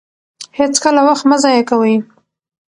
هېڅکله وخت مه ضایع کوئ.